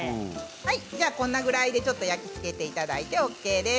こんな感じで焼き付けていただいてＯＫです。